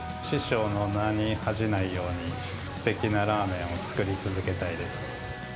師匠の名に恥じないように、すてきなラーメンを作り続けたいです。